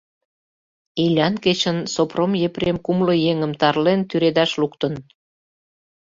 Илян кечын Сопром Епрем кумло еҥым тарлен, тӱредаш луктын.